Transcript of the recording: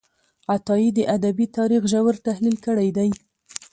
عطايي د ادبي تاریخ ژور تحلیل کړی دی.